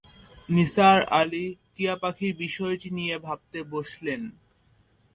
নিসার আলি টিয়াপাখির বিষয়টি নিয়ে ভাবতে বসলেন।